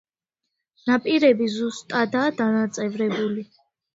ნაპირები სუსტადაა დანაწევრებული.